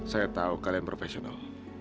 saya tau kalian profesional